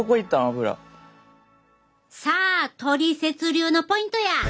さあトリセツ流のポイントや！